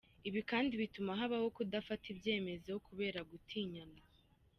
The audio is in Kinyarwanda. Ibi kandi bituma habaho kudafata ibyemezo kubera gutinyana.